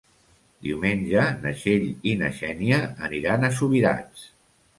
Diumenge na Txell i na Xènia aniran a Subirats.